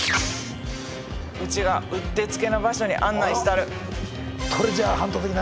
うちがうってつけの場所に案内したる。